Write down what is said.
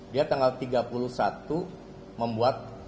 dia tanggal tiga puluh satu membuat